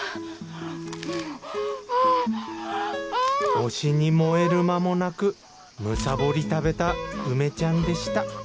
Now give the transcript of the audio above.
推しに萌える間もなくむさぼり食べた梅ちゃんでした。